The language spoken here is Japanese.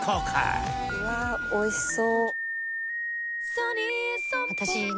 うわーおいしそう！